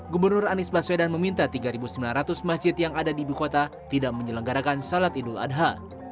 gubernur anies baswedan meminta tiga sembilan ratus masjid yang ada di ibu kota tidak menyelenggarakan salat idul adha